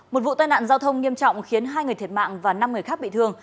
một vụ tai nạn giao thông nghiêm trọng khiến hai người thiệt mạng và năm người khác bị thương